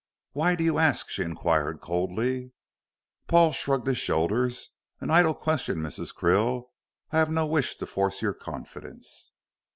"Why do you ask?" she inquired coldly. Paul shrugged his shoulders. "An idle question, Mrs. Krill. I have no wish to force your confidence."